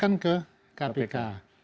penyelidikan oleh kppu diserahkan ke kpk